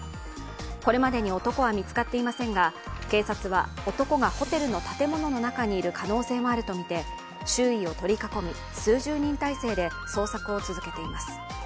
これまでに男は見つかっていませんが警察は男がホテルの建物の中にいる可能性もあるとみて周囲を取り囲み数十人態勢で捜索を続けています。